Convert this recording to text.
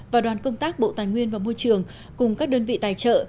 và đoàn công tác bộ tài nguyên và môi trường cùng các đơn vị tài trợ